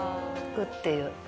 ぐっていう。